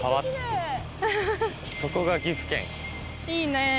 いいね！